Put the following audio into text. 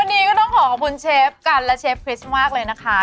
วันนี้ก็ต้องขอขอบคุณเชฟกันและเชฟคริสต์มากเลยนะคะ